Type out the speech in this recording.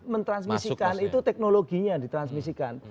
menyertai menerang itu teknologinya ditransmisikan